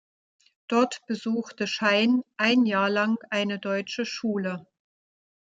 Dort besuchte Schein ein Jahr lang eine deutsche Schule.